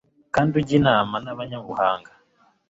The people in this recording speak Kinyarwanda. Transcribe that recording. kandi ujye inama n'abanyabuhanga